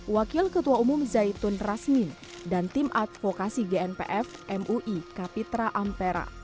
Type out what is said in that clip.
wakil ketua umum zaitun rasmin dan tim advokasi gnpf mui kapitra ampera